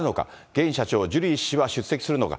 現社長、ジュリー氏は出席するのか。